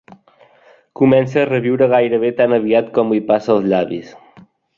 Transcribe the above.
Comença a reviure gairebé tan aviat com li passa els llavis.